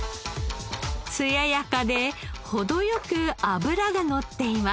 艶やかで程良く脂がのっています。